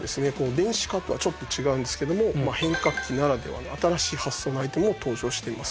電子化とはちょっと違うんですけども変革期ならではの新しい発想のアイテムも登場しています。